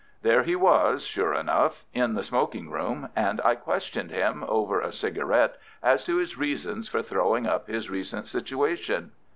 There he was sure enough in the smoking room, and I questioned him, over a cigarette, as to his reasons for throwing up his recent situation.